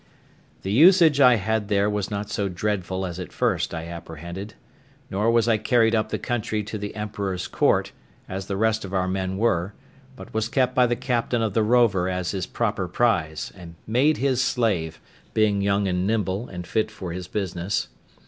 The usage I had there was not so dreadful as at first I apprehended; nor was I carried up the country to the emperor's court, as the rest of our men were, but was kept by the captain of the rover as his proper prize, and made his slave, being young and nimble, and fit for his business.